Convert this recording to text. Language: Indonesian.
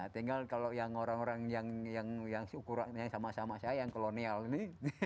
tinggal kalau yang orang orang yang ukurannya sama sama saya yang kolonial ini